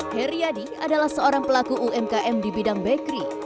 heri yadi adalah seorang pelaku umkm di bidang bakery